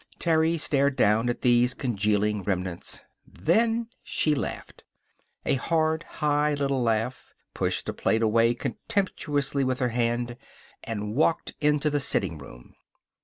Terry stared down at these congealing remnants. Then she laughed, a hard high little laugh, pushed a plate away contemptuously with her hand, and walked into the sitting room.